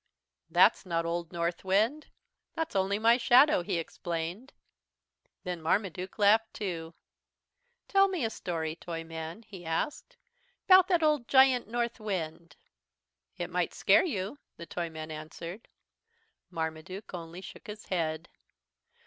"That's not old Northwind, that's only my shadow," he explained. Then Marmaduke laughed too. "Tell me a story, Toyman," he asked, "'bout that ole Giant Northwind." "It might scare you," the Toyman answered. Marmaduke only shook his head.